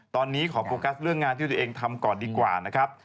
ตอนนี้ขอโฟกัสเรื่องงานที่ตัวเองทำก่อนดีกว่านะครับ